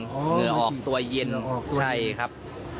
เหงื่อออกตัวเย็นใช่ครับ